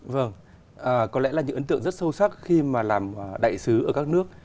vâng có lẽ là những ấn tượng rất sâu sắc khi mà làm đại sứ ở các nước